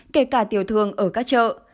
kể cả tiều thương ở các chợ